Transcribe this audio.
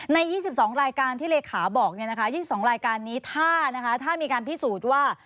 ใน๒๒รายการที่เลขาบอก๒๒รายการนี้ถ้ามีการพิสูจน์ว่า